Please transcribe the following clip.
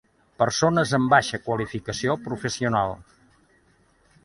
Persones amb baixa qualificació professional.